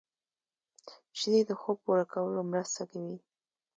شیدې د خوب پوره کولو مرسته کوي